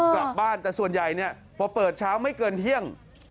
กลับบ้านแต่ส่วนใหญ่เนี่ยพอเปิดเช้าไม่เกินเที่ยง